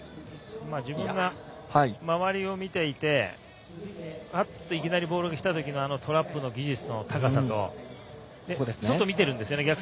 自分が、周りを見ていていきなりボールがきたときのトラップの技術の高さと外を見てるんです。